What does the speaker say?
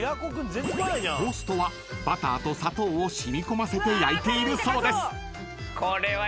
［トーストはバターと砂糖を染み込ませて焼いているそうです］